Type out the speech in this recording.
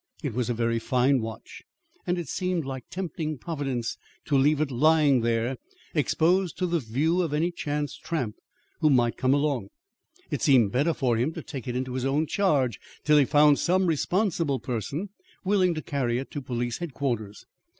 It was a very fine watch, and it seemed like tempting Providence to leave it lying there exposed to the view of any chance tramp who might come along. It seemed better for him to take it into his own charge till he found some responsible person willing to carry it to Police Headquarters.